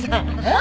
何？